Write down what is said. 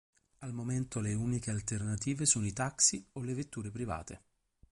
Al momento le uniche alternative sono i taxi o le vetture private.